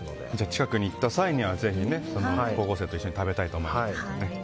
近くに行った際にはぜひ高校生と一緒に食べたいと思います。